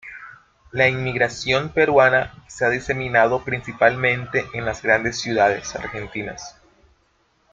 La inmigración peruana se ha diseminado principalmente en las grandes ciudades argentinas.